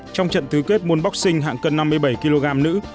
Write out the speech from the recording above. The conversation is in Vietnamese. trong trận thứ kết môn boxing hạng cân năm mươi bảy kg nữ